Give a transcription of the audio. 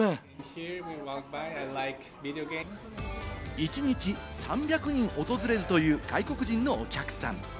一日３００人訪れるという外国人のお客さん。